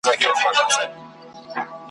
د تور مار له لاسه ډېر دي په ماتم کي ,